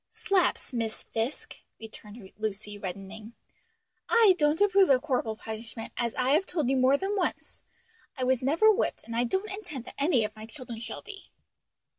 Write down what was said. "Slaps, Miss Fisk," returned Lucy reddening, "I don't approve of corporal punishment, as I have told you more than once. I was never whipped, and I don't intend that any of my children shall be."